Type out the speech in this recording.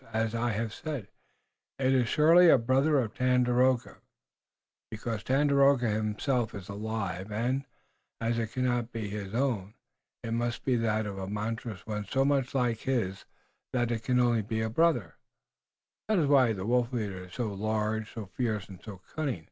As I have said, it is surely a brother of Tandakora, because Tandakora himself is alive, and, as it cannot be his own, it must be that of a monstrous one so much like his that it can be only a brother's. That is why the wolf leader is so large, so fierce and so cunning.